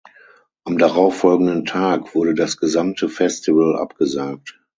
Am darauffolgenden Tag wurde das gesamte Festival abgesagt.